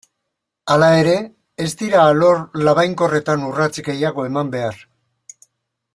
Hala ere, ez dira alor labainkorretan urrats gehiago eman behar.